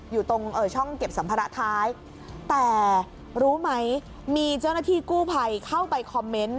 อยู่ตรงช่องเก็บสัมภาระท้ายแต่รู้ไหมมีเจ้าหน้าที่กู้ภัยเข้าไปคอมเมนต์